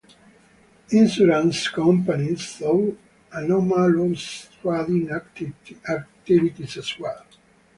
Insurance companies saw anomalous trading activities as well.